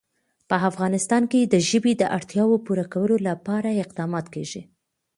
په افغانستان کې د ژبې د اړتیاوو پوره کولو لپاره اقدامات کېږي.